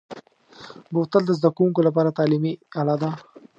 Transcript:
بوتل د زده کوونکو لپاره تعلیمي اله ده.